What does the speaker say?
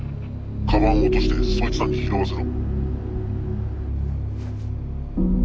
カバンを落としてそいつらに拾わせろ。